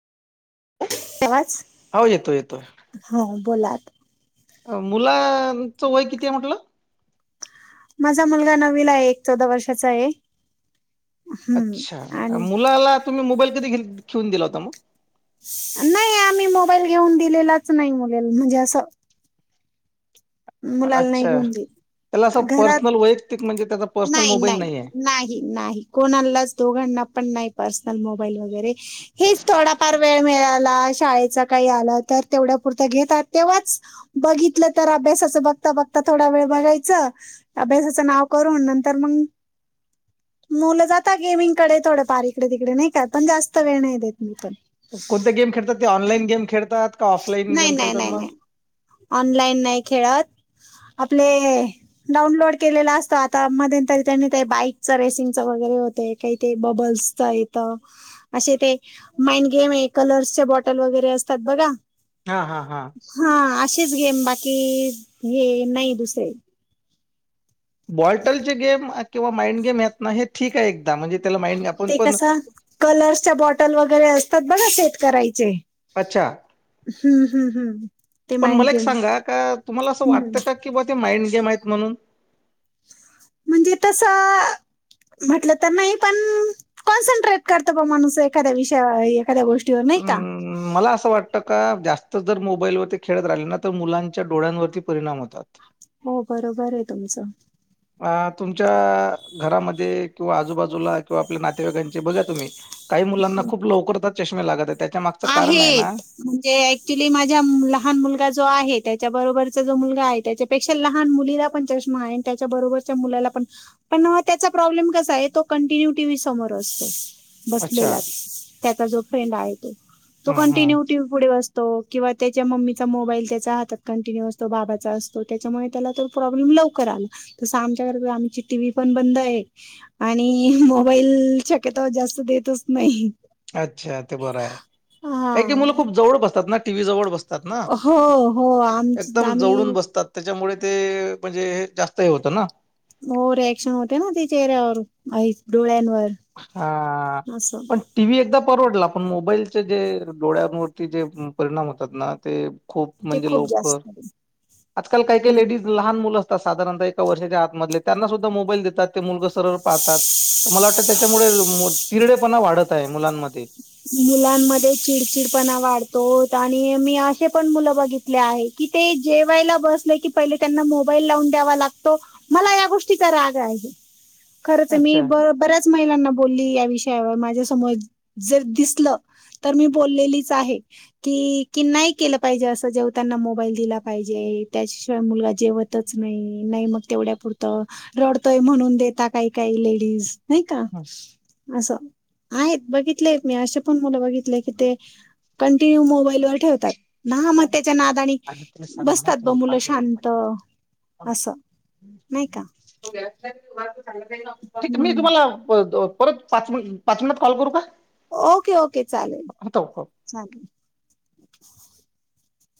तेच हो येतो हा बोलात अ मुलांचं वय किती आहे म्हटलं माझा मुलगा नवीला आहे एक चौदा वर्षाचा आहे हम्म. अच्छा आणि मुलाला तुम्ही मोबाईल कधी घेऊन दिला होता मग नाही आम्ही मोबाईल घेऊन दिलेलाच नाही मुलाला म्हणजे असं मुलाला नाही अच्छा घेऊन त्याला असं देई घरात पर्सनल वैयक्तिक म्हणजे त्याचा पर्सनल नाही मोबाईल नाही आहे. नाही नाही कोणालाच दोघांना पण नाही प्रन्सल मोबाईल वगैरे हेच थोडा फार वेळ मिळाला तर शाळेच काही आल तर तेवढ्या पुरत घेतात तेव्हाच बघितल तर अभ्यासाच बघता बघता थोडा वेळ बघायचं अभ्यासाचं नाव करून नंतर मग मुलं जाता गेमिंगकडे थोडफार इकडे तिकडे नाही का पण जास्त वेळ नाही देत मी पण कोणत्या गेम खेळतात ऑनलाईन गेम खेळतात का ऑफलाईन नाही गेम नाही खेळतात नाही मग? नाही ऑनलाईन नाही खेळत आपले डाउनलोड केलेला असतो आता मंत त्यांनी बाईक च रेसिंग र हो का ब अस माड गेम कल बॉटल वगैरे असतात बघा हा हा हा च गेम बाकी हे नाही दुसरे बॉल्टलचे गेम किंवा माइंड गेम आहेत ना हे ठीक आहे एक ते कस कलर्सच्या बॉटल वगैरे असतात बघा शेेत करायचे अच्छा हम्म हम् हम पण मला एक सांगा का तुम्हाला असं हम्म. वाटतं का कि बा ते माइंड य माहित म्हणून म्हणजे तस म्हटलं तर नाही पण कॉन्सन्ट्रेट करत ब माणूस एखाद्या विषयावर हम्म मला असं वाटत का जास्त जर मोबाईलवरती खेळत राहिले ना तर मुलांच्या डोळ्यांवरती परिणाम होतात हो बरोबर आहे तुमचं अ तुमच्या घरामध्ये किंवा आजूबाजूला किंवा आपल्या नातेवाईकांचे बघा तुम्ही काही मुलांना खूप लवकरच चष्े लागत त्या आहेत म्हणजे ऍक्चुली माझ्या लहान मुलगा जो आहेत त्याच्या बरोबरचा जो मुलगा आहे त्याच्यापेक्षा लहान मुलीला पण चष्मा आहे आणि त्याच्या बरोबरच्या मुलाला पण पण त्याचा प्रॉब्लेम कसा आहे तो कंटिन्यू टीव्ही समोर असतो अच्छा. बसलेला त्याचा जो फ्रेंड आहे तो त हं, हं. कंटिन्यू पुढे [unintelligible] ल आ त आमच्या आमची टीव पण बंद आहे आणि मोई शक्यतावर जास्त देतच नाही अच्छा ते बरं आहे काही क हा मुलं खूप जवळ बसतात ना टीव्ही जवळ बसतात हो हो आमच दम आम्ही जवडून बसतात त्याच्यामुळे ते म्हणजे जास्त हे होतं ना हो रिएक्शन होते ना ति चेहऱ्यार डोळ्या हा पण टी व एकदम फरवडला पण मोबाईलचे जे डोळ्यांवरती जे परिणाम होतात ना ते खूप ते म्हणजे खूप लोककर जास्त आजकाल काही काही डीज लहान मुलं असतात साधारणतः ए वर्षाच्या आतमधले त्यांना सुद्धा मोबाईल देतात ते मु पाहतात तर मला वाटत त्याच्यामुळे पिरडे पणा वाढत आहे मुलांमध्ये मुलांमध्ये चिडचिडपणा वाढतो आणि मी असे पण मुलं बघितले आहेी कि ते जेवायला बसले की पहिले त्यांना मोबाईल लावून द्यावा लागतो मला या गोष्टीचा राग आहे [unintelligible] खरं तर मी ब बऱ्याच महिलांना बोलली या विषयावर माझ्यासमोर जर दिसलं तर मी बोललेलीच आहे की की नाही केलं पाहिजे असं जेव त्यांना मोबाईल दिला पाहिजे त्याच्याशिवाय मुलगा जेवतच नाही नाही मग तेवढ्या पुुरतं रडतोय म्हणून देता काही काही का हं. बघ बघितलं की ते कंटिन्यू मोबाईल व ठेवत ना मग त्याच्या नाद आणि आधी तुम्ही बसतात ब मुलं शांत ह असं नाही का मी हम्म, तुम्हाला परत पाच पाच मिनिटत कॉल करू का ओके ओके चालेल चालेल